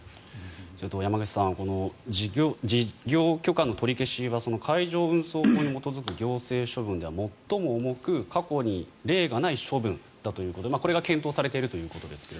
山口さん事業許可の取り消しは海上運送法に基づく行政処分では最も重く過去に例がない処分だということこれが検討されているということですが。